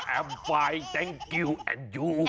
แอมไฟแจงกิวแอมยู